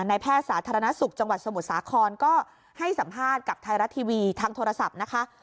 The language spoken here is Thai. แพทย์สาธารณสุขจังหวัดสมุทรสาครก็ให้สัมภาษณ์กับไทยรัฐทีวีทางโทรศัพท์นะคะ